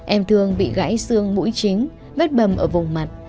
em thương bị gãy xương mũi chính vết bầm ở vùng mặt